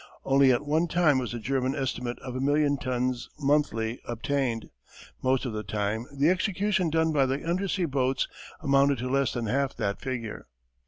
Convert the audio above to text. Only at one time was the German estimate of a million tons monthly obtained. Most of the time the execution done by the undersea boats amounted to less than half that figure.